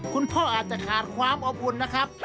คุณพ่ออาจจะขาดความอบอุ่นนะครับ